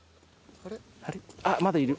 あっまだいる。